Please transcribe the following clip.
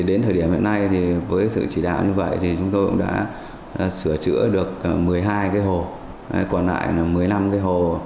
đến thời điểm hiện nay với sự chỉ đạo như vậy chúng tôi cũng đã sửa chữa được một mươi hai hồ còn lại một mươi năm hồ